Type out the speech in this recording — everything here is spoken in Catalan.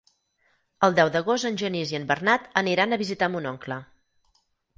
El deu d'agost en Genís i en Bernat aniran a visitar mon oncle.